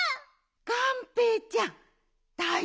がんぺーちゃんだいじょうぶ！？